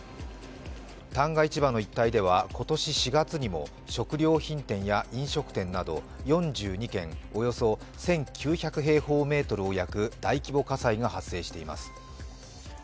旦過市場の一帯では今年４月にも食料品店や飲食店など４２軒およそ１９００平方メートルを焼く大規模火災が発生しています。